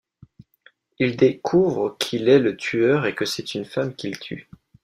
Il découvre qu'il est le tueur et que c'est une femme qu'il tue.